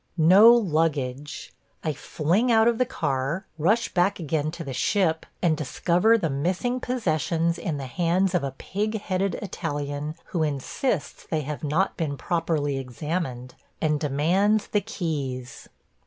... No luggage! I fling out of the car, rush back again to the ship, and discover the missing possessions in the hands of a pig headed Italian who insists they have not been properly examined, and demands the keys.